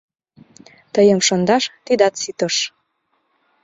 Тыйым шындаш тидат ситыш.